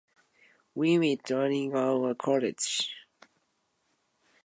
We met during our college years and have since formed an unbreakable bond.